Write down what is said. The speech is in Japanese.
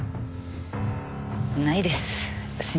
ないです。